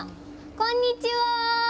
こんにちは。